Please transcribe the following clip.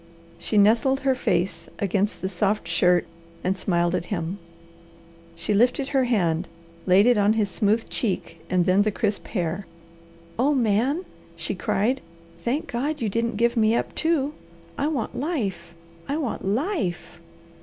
She nestled her face against the soft shirt and smiled at him. She lifted her hand, laid it on his smooth cheek and then the crisp hair. "Oh Man!" she cried. "Thank God you didn't give me up, too! I want life! I want LIFE!"